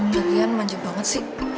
lagian manja banget sih